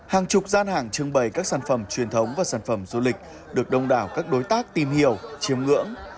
hàng chục gian hàng trưng bày các sản phẩm truyền thống và sản phẩm du lịch được đông đảo các đối tác tìm hiểu chiếm ngưỡng